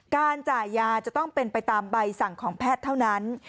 การจ่ายยาจะต้องเป็นไปตามใบสั่งของแพทย์เท่านั้น